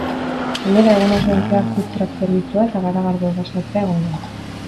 Gainera, egun osoan zehar food truck zerbitzua eta garagardo dastatzea egongo da.